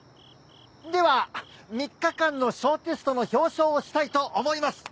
では３日間の小テストの表彰をしたいと思います。